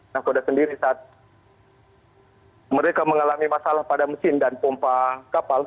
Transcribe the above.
nahkoda sendiri saat mereka mengalami masalah pada mesin dan pompa kapal